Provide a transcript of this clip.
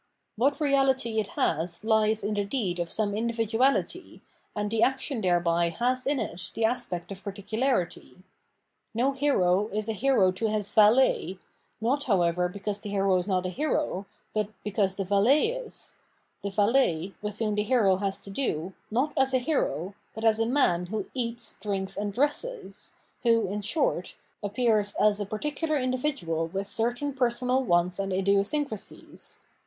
What reality it has Hes in the deed of some individuality, and the action thereby has in it the aspect of particularity. No hero is a hero to his valet, not, however, because the hero is not a hero, but because the valet is — the valet, with whom the hero has to do, not as a hero, but as a man who eats, drinks, and dresses, who, in short, appears as a particular individual with certain personal wants and idiosyncrasies.